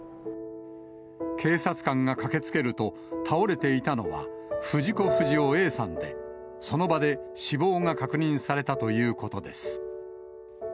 警察官が駆けつけると、倒れていたのは、藤子不二雄Ａさんで、その場で死亡が確認されたということです。